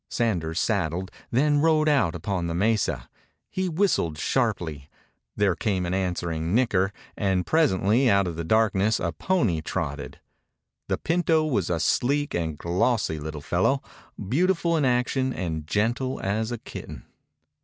Sanders saddled, then rode out upon the mesa. He whistled sharply. There came an answering nicker, and presently out of the darkness a pony trotted. The pinto was a sleek and glossy little fellow, beautiful in action and gentle as a kitten.